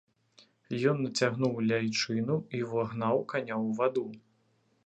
Ён нацягнуў ляйчыну і ўвагнаў каня ў ваду.